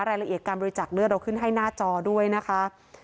รายละเอียดการบริจักษ์เราขึ้นให้หน้าจอด้วยนะคะ